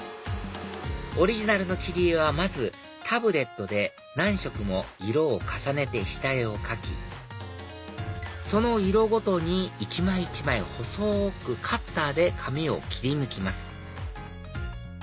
オリジナルの切り絵はまずタブレットで何色も色を重ねて下絵を描きその色ごとに一枚一枚細くカッターで紙を切り抜きます